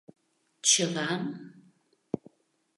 — Чылам?!